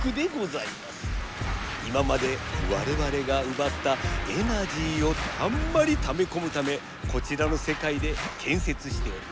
今までわれわれがうばったエナジーをたんまりためこむためこちらのせかいでけんせつしております。